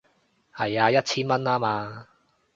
係啊，一千蚊吖嘛